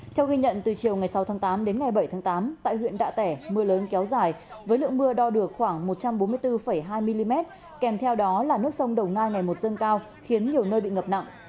theo ghi nhận từ chiều ngày sáu tháng tám đến ngày bảy tháng tám tại huyện đạ tẻ mưa lớn kéo dài với lượng mưa đo được khoảng một trăm bốn mươi bốn hai mm kèm theo đó là nước sông đồng nai ngày một dâng cao khiến nhiều nơi bị ngập nặng